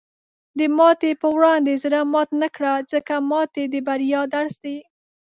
د ماتې په وړاندې زړۀ مات نه کړه، ځکه ماتې د بریا درس دی.